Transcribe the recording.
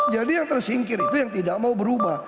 jadi yang tersingkir itu yang tidak mau berubah